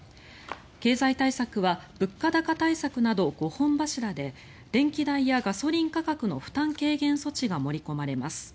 経済対策は物価高対策など５本柱で電気代やガソリン価格の負担軽減措置が盛り込まれます。